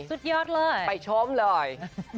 สุดยอดเลยไปชมเลย